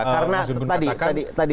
tidak bisa karena tadi tadi tadi